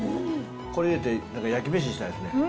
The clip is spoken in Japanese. これ入れて焼き飯したいですね。